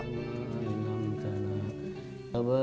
kisah hidupnya yang terbaik